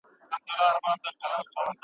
حکومتونه د ټولنیزو چارو مسؤل وو.